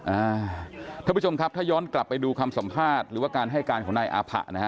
ท่านผู้ชมครับถ้าย้อนกลับไปดูคำสัมภาษณ์หรือว่าการให้การของนายอาผะนะฮะ